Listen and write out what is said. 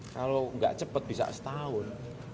kalau nggak cepat bisa setahun